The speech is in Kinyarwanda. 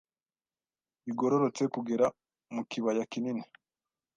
Bigororotse kugera mu kibaya kinini